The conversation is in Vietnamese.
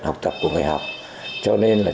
học tập của người học cho nên là